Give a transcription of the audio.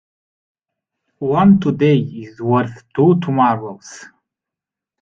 One today is worth two tomorrows.